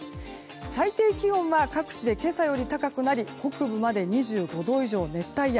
最低気温は各地で今朝より高くなり北部まで２５度以上の熱帯夜。